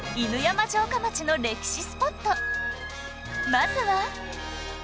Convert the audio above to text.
まずは